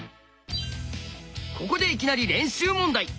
ここでいきなり練習問題！